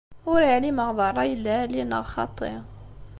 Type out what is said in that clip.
Ur ɛlimeɣ d rray n lɛali neɣ xaṭi.